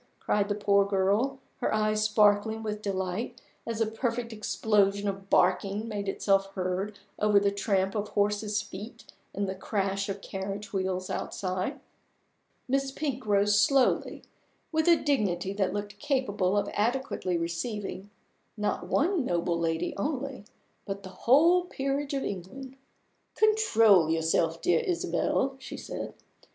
cried the poor girl, her eyes sparkling with delight as a perfect explosion of barking made itself heard over the tramp of horses' feet and the crash of carriage wheels outside. Miss Pink rose slowly, with a dignity that looked capable of adequately receiving not one noble lady only, but the whole peerage of England. "Control yourself, dear Isabel," she said.